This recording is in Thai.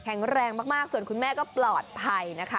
แรงมากส่วนคุณแม่ก็ปลอดภัยนะคะ